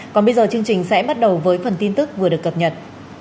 còn bây giờ chương trình sẽ bắt đầu với phần tin tức vừa được cập nhật